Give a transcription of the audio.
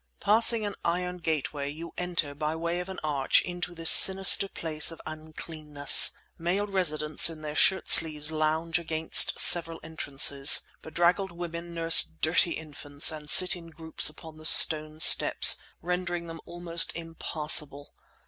Passing an iron gateway, you enter, by way of an arch, into this sinister place of uncleanness. Male residents in their shirt sleeves lounge against the several entrances. Bedraggled women nurse dirty infants and sit in groups upon the stone steps, rendering them almost impassable.